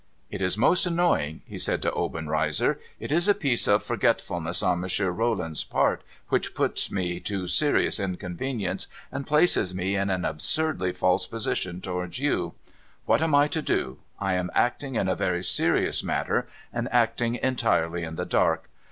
' It is most annoying,' he said to Obenreizer —' it is a piece of forgetfulness on Monsieur Rolland's part which puts me to serious inconvenience, and places me in an absurdly false position towards you. What am I to do ? I am acting in a very serious matter, and acting entirely in the dark.